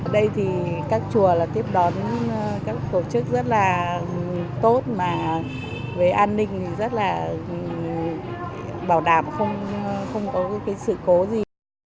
đây thì các chùa là tiếp đón các tổ chức rất là tốt mà về an ninh thì rất là bảo đảm không có cái sự cố gì